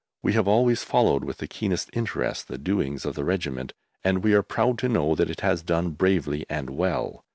We have always followed with the keenest interest the doings of the Regiment, and we are proud to know that it has done bravely and well.